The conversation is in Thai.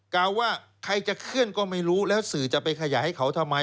กล่าวว่าใครจะเคลื่อนก็ไม่รู้แล้วสื่อจะไปขยายให้เขาทำไม